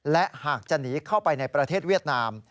และหากจะหนีเข้าไปในประเทศเวียดนาม